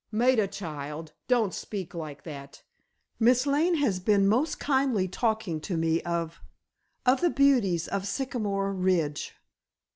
"Maida, child, don't speak like that! Miss Lane has been most kindly talking to me, of—of the beauties of Sycamore Ridge."